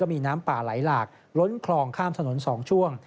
มีน้ำป่าไหลหลากล้นคลองข้ามถนน๒ช่วง